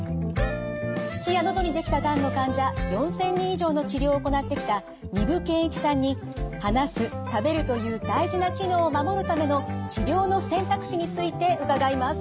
口や喉にできたがんの患者４，０００人以上の治療を行ってきた丹生健一さんに話す食べるという大事な機能を守るための治療の選択肢について伺います。